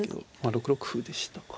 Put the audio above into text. ６六歩でしたか。